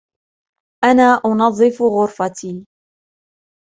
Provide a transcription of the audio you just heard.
أنا أنظف غرفتي.